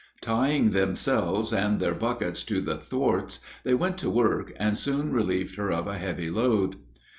Tying themselves and their buckets to the thwarts, they went to work and soon relieved her of a heavy load.